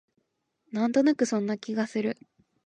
なんとなくそんな気がする